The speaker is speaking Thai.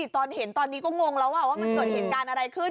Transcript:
ตอนเห็นตอนนี้ก็งงแล้วว่ามันเกิดเหตุการณ์อะไรขึ้น